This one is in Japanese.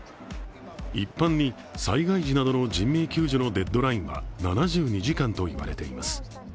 一般に災害時などの人命救助のデッドラインは７２時間と言われています。